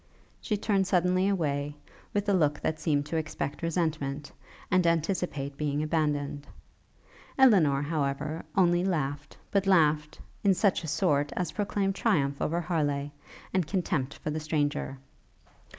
She turned suddenly away, with a look that seemed to expect resentment, and anticipate being abandoned. Elinor, however, only laughed, but laughed 'in such a sort' as proclaimed triumph over Harleigh, and contempt for the stranger.